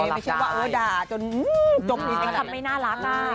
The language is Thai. ไม่ใช่ว่าเออด่าจนจบอีกทั้งคำไม่น่ารัก